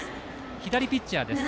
左ピッチャーです。